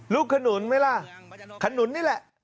ขนุนไหมล่ะขนุนนี่แหละ